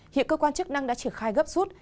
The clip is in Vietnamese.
hiện cơ quan chức năng đã triển khai gấp rút